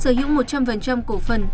sở hữu một trăm linh cổ phần